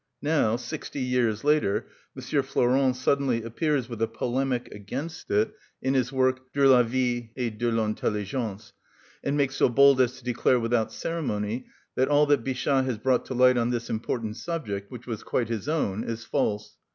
Now, sixty years later, M. Flourens suddenly appears with a polemic against it in his work, "De la vie et de l'intelligence," and makes so bold as to declare without ceremony that all that Bichat has brought to light on this important subject, which was quite his own, is false.